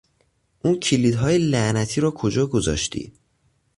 اون کلیدهای لعنتی را کجا گذاشتی؟